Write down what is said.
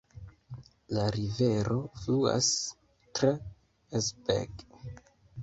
La rivero fluas tra Herzberg.